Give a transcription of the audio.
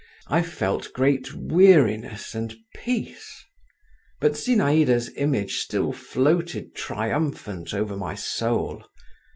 I felt great weariness and peace … but Zinaïda's image still floated triumphant over my soul.